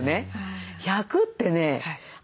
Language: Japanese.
１００ってね